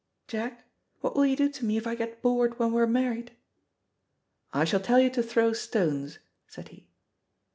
Jack, what will you do to me if I get bored when we're married?" "I shall tell you to throw stones," said he.